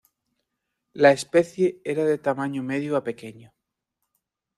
La especie era de tamaño medio a pequeño.